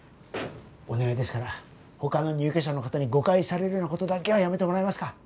お願いですから他の入居者の方に誤解されるような事だけはやめてもらえますか。